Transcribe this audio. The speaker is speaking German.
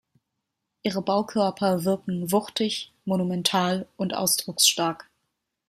Ihre Baukörper wirken wuchtig, monumental und ausdrucksstark.